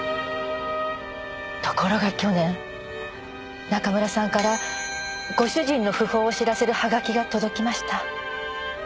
ところが去年中村さんからご主人の訃報を知らせるはがきが届きました。